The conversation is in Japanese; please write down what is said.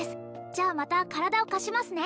じゃあまた体を貸しますね